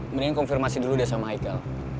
mendingan konfirmasi dulu deh sama ichael